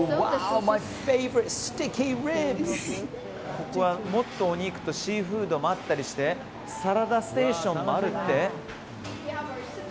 ここはもっとお肉とシーフードもあったりしてサラダステーションもあるって。